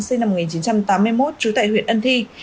sinh năm một nghìn chín trăm tám mươi một trú tại huyện ân thi